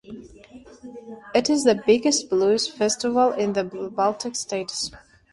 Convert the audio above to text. It is the biggest blues festival in the Baltic states.